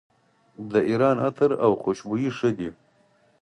د ایران عطر او خوشبویي ښه ده.